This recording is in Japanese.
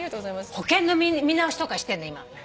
保険の見直しとかしてんの今。